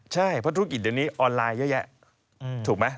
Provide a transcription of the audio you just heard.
ใช่เพราะธุรกิจเดี๋ยวนี้ออนไลน์เยอะแยะถูกไหม